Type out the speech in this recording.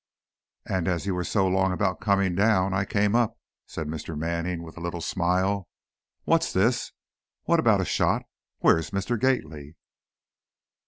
"And as you were so long about coming down, I came up," said Mr. Manning, with a little smile. "What's this, what about a shot? Where's Mr. Gately?"